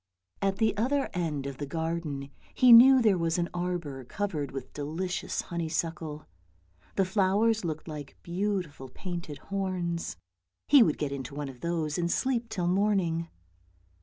At the other end of the garden he knew there was an arbour 32 THE ROSE ELF 33 covered with delicious honeysuckle, the flowers looked like beautiful painted horns. He would get into one of those and sleep till morning.